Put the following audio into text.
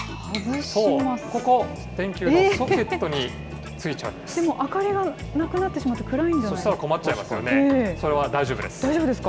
ここ、電球のソケットについでも、明かりがなくなって暗いんじゃないですか。